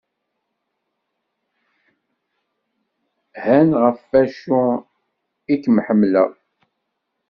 Han ɣef acu i k(m)-ḥemmleɣ.